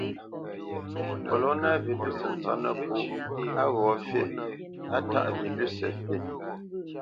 Kolona vilʉsǝ tsópnǝpú á ghǒ fí, á taʼ vilʉsǝ fǐ.